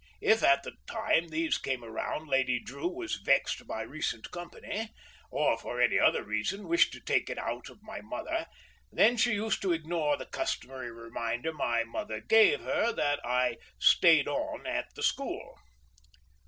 If at the time these came round, Lady Drew was vexed by recent Company, or for any other reason wished to take it out of my mother, then she used to ignore the customary reminder my mother gave her, and I "stayed on" at the school.